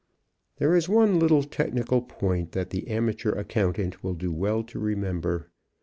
There is one little technical point that the amateur accountant will do well to remember.